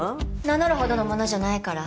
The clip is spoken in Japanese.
名乗るほどの者じゃないから。